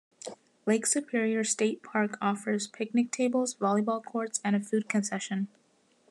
Lake Superior State Park offers picnic tables, volleyball courts, and a food concession.